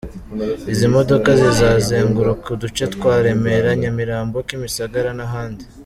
Izi modoka zizazenguruka uduce twa Remera, Nyamirambo, Kimisagara n’ahandi.